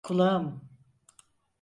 Kulağım!